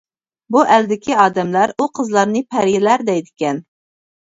بۇ ئەلدىكى ئادەملەر ئۇ قىزلارنى پەرىلەر دەيدىكەن.